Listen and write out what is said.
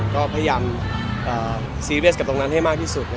ก็พยายามซีเรียสกับตรงนั้นให้มากที่สุด